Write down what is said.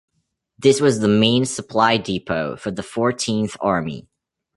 This was the main supply depot for the Fourteenth Army.